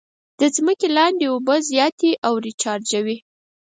د ځمکې لاندې اوبه زیاتې او ریچارجوي.